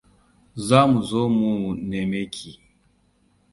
Za mu zo mu neme ki.